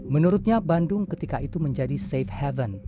menurutnya bandung ketika itu menjadi safe haven